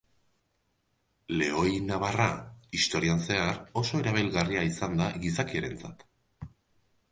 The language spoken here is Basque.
Lehoinabarra historian zehar, oso erabilgarria izan da gizakiarentzat.